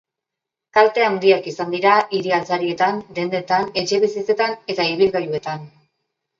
Kalte handiak izan dira hiri-altzarietan, dendetan, etxebizitzetan eta ibilgailuetan.